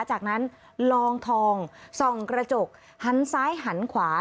จากนั้นลองทองส่องกระจกหันซ้ายหันขวา